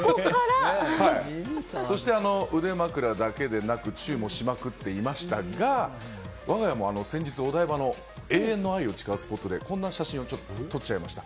そして、腕枕だけでなくチューもしまくってましたが我が家も先日、お台場の永遠の愛を誓うスポットでこんな写真を撮っちゃいました。